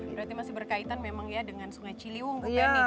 berarti masih berkaitan memang ya dengan sungai ciliwung bu yani